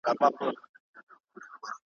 چي یې وکتل پر کټ باندي څوک نه وو ,